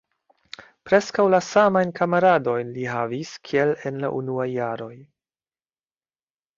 Preskaŭ la samajn kamaradojn li havis kiel en la unuaj jaroj.